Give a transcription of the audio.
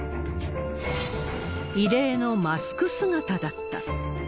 異例のマスク姿だった。